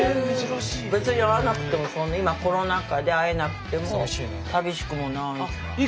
別に会わなくてもそんな今コロナ禍で会えなくても寂しくもない。